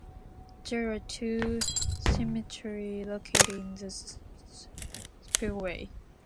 There are two cemeteries located in the Spillway.